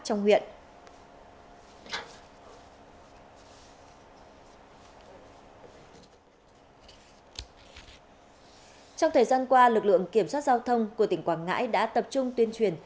trong thời gian qua lực lượng kiểm soát giao thông của tỉnh quảng ngãi đã tập trung tuyên truyền